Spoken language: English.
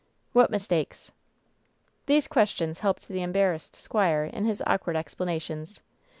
"What mistakes ?" These questions helped the embarrassed squire in his awkward explanations.